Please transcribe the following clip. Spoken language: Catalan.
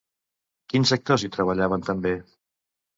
Quins actors hi treballaven també?